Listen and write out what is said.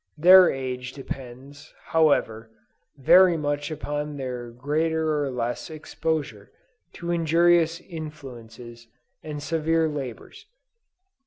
Their age depends, however, very much upon their greater or less exposure to injurious influences and severe labors.